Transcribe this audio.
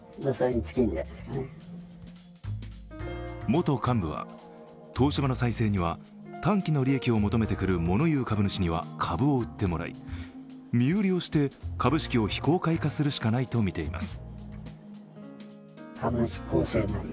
元幹部は、東芝の再生には短期の利益を求めてくる物言う株主には株を売ってもらい身売りをして、株式を非公開化するしかないとみています。